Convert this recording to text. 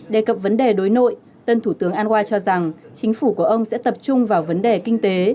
đề cập vấn đề đối nội tân thủ tướng anwa cho rằng chính phủ của ông sẽ tập trung vào vấn đề kinh tế